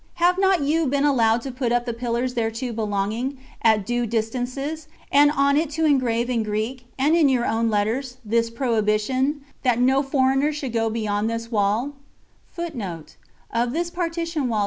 Have not you been allowed to put up the pillars thereto belonging, at due distances, and on it to engrave in Greek, and in your own letters, this prohibition, that no foreigner should go beyond that wall.